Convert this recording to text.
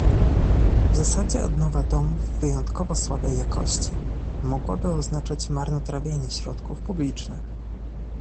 W zasadzie odnowa domów wyjątkowo słabej jakości mogłaby oznaczać marnotrawienie środków publicznych